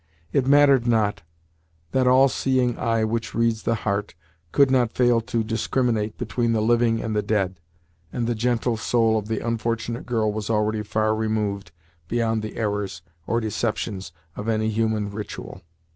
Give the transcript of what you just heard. It mattered not; that all seeing eye which reads the heart, could not fail to discriminate between the living and the dead, and the gentle soul of the unfortunate girl was already far removed beyond the errors, or deceptions, of any human ritual.